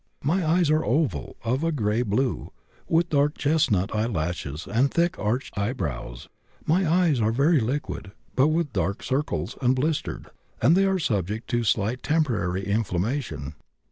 My eyes are oval, of a gray blue, with dark chestnut eyelashes and thick, arched eyebrows. My eyes are very liquid, but with dark circles, and bistered; and they are subject to slight temporary inflammation.